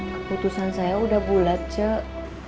keputusan saya udah bulat cek